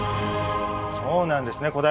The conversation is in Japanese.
そうなんですね